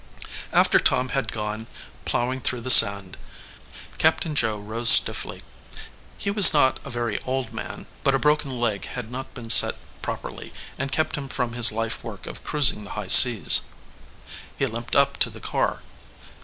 After Tom had gone, plowing through the sand, Captain Joe rose stiffly. He was not a very old man, but a broken leg had not been set properly, and kept him from his life work of cruising the high seas. He limped up to the car.